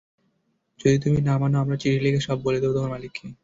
যদি তুমি না মানো, আমরা চিঠি লিখে সব বলে দেব তোমার মালিককে।